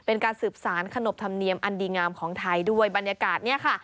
เป็นการสืบสารขนบธรรมเนียมอันดีงามของไทยด้วยบรรยากาศเนี่ยค่ะ